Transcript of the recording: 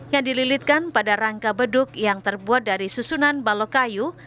yang dililitkan pada rangka beduk yang terbuat dari susunan balok kayu